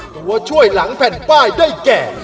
ตัวช่วยหลังแผ่นป้ายได้แก่